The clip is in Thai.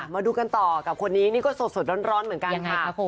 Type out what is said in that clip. มาดูกันต่อกับคนนี้นี่ก็สดร้อนเหมือนกันค่ะ